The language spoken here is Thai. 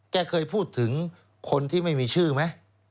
แกเคยพูดถึงคนที่ไม่มีชื่อไหม